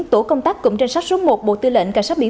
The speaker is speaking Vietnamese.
tổ công tác cụm trinh sát số một bộ tư lệnh cảnh sát biển